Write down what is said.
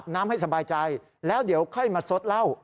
น้ำให้สบายใจแล้วเดี๋ยวค่อยมาซดเหล้า